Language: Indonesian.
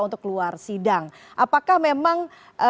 untuk keluar sidang apakah memang